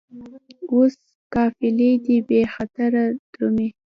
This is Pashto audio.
اوس قافلې دي بې خطره درومي